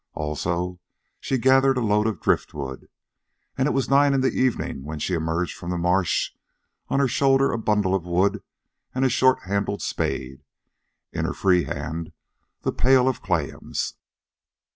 Also, she gathered a load of driftwood, and it was nine in the evening when she emerged from the marsh, on her shoulder a bundle of wood and a short handled spade, in her free hand the pail of clams.